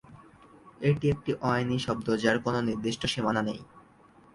এটি একটি অ-আইনি শব্দ, যার কোনো নির্দিষ্ট সীমানা নেই।